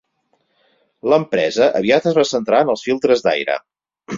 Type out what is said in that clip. L'empresa aviat es va centrar en els filtres d'aire.